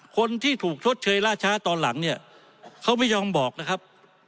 คนที่ถูกชดเชยล่าช้าตอนหลังเนี่ยเขาไม่ยอมบอกนะครับ